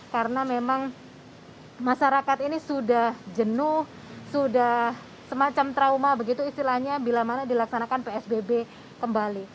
karena memang masyarakat ini sudah jenuh sudah semacam trauma begitu istilahnya bila mana dilaksanakan psbb kembali